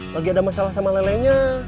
lagi ada masalah sama lele nya